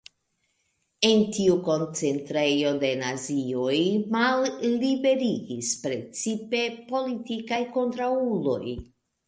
En tiu koncentrejo la nazioj malliberigis precipe politikaj kontraŭuloj.